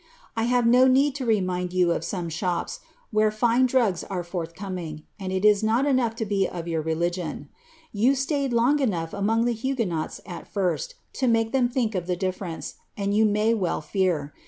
I have no need to remind you of some shops, where fine drugs are forth coming, and it is not enough to be of their religion. You staid long enough among the Huguenots, at first, to make them think of the difierence, and you may well fear!